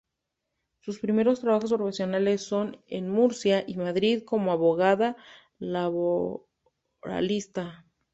Sus primeros trabajos profesionales son en Murcia y Madrid como abogada laboralista.